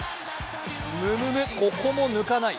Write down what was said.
むむむ、ここも抜かない。